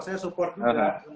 saya support juga